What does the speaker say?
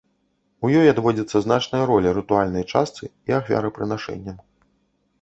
У ёй адводзіцца значная роля рытуальнай частцы і ахвярапрынашэнням.